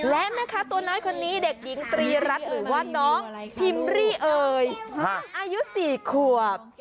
และแม่ค้าตัวน้อยคนนี้เด็กหญิงตรีรัฐหรือว่าน้องพิมรี่เอ่ยอายุ๔ขวบ